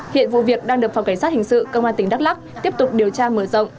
hiện vụ việc đang được phòng cảnh sát hình sự công an tỉnh đắk lắc tiếp tục điều tra mở rộng